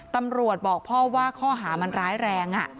ตำรวจบอกพ่อว่าข้อหามันร้ายแรง